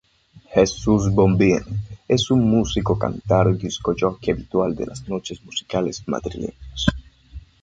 Jesús Bombín es un músico cántabro y disc-jockey habitual de las noches musicales madrileñas.